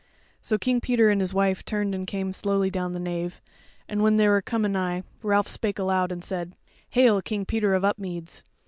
So King Peter and his wife turned and came slowly down the nave, and when they were come anigh, Ralph spake aloud, and said: "Hail, King Peter of Upmeads!"